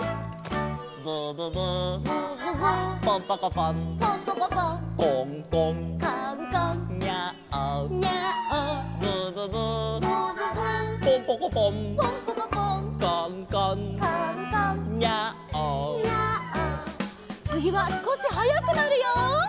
「ブブブー」「ブブブー」「ポンポコポン」「ポンポコポン」「コンコン」「コンコン」「ニャーオ」「ニャーオ」「ブブブー」「ブブブー」「ポンポコポン」「ポンポコポン」「コンコン」「コンコン」「ニャーオ」「ニャーオ」つぎはすこしはやくなるよ。